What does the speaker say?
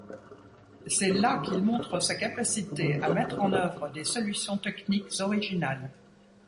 C'est là qu'il montre sa capacité à mettre en œuvre des solutions techniques originales.